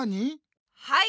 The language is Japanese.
はい。